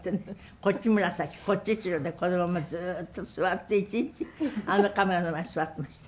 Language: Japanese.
こっち紫こっち白でこのままずっと座って一日あのカメラの前で座ってました。